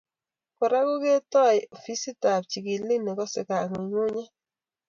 Kora ko ketoi ofisitap chigilik nekosei kangungunyet